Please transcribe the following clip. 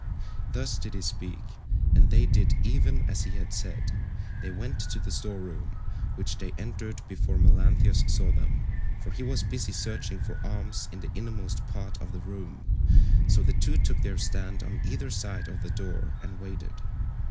Thus did he speak, and they did even as he had said; they went to the store room, which they entered before Melanthius saw them, for he was busy searching for arms in the innermost part of the room, so the two took their stand on either side of the door and waited.